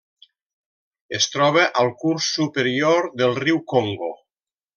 Es troba al curs superior del riu Congo.